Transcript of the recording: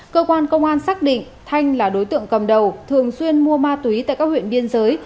cơ quan công an xác định thanh là đối tượng cầm đầu thường xuyên mua ma túy tại các huyện biên giới